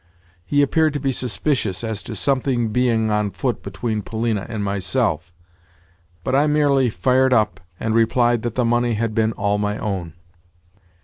He appeared to be suspicious as to something being on foot between Polina and myself, but I merely fired up, and replied that the money had been all my own.